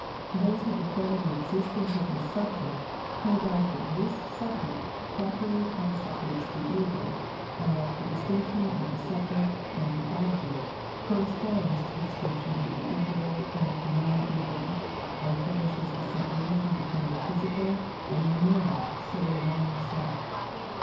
Those who defend the existence of the subject point out that this subject properly constitutes the Ego, and that the distinction of the subject and the object corresponds to the distinction of the Ego and non Ego, and furnishes the separation between the physical and the moral so long sought.